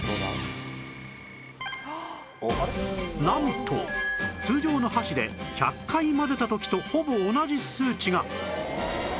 なんと通常の箸で１００回混ぜた時とほぼ同じ数値が！